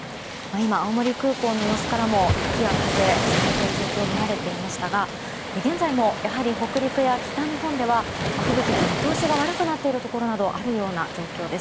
今、青森空港の様子からも雪や風が続いている状況が見られましたが現在も、やはり北陸や北日本では吹雪で見通しが悪くなっているところがあるような状況です。